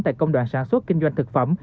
tại công đoàn sản xuất kinh doanh thực phẩm